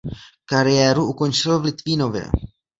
Kariéru končil v Litvínově.